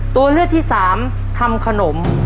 ตัวเลือกที่สามทำขนม